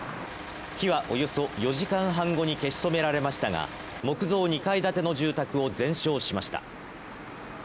火はおよそ４時間半後に消し止められましたが、木造２階建ての住宅を全焼しました。